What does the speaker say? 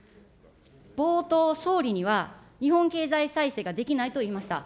冒頭、総理には日本経済再生ができないと言いました。